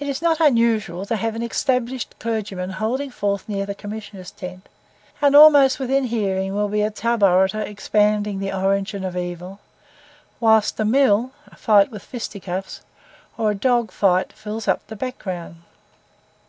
It is not unusual to have an established clergyman holding forth near the Commissioners' tent and almost within hearing will be a tub orator expounding the origin of evil, whilst a "mill" (a fight with fisticuffs) or a dog fight fills up the background.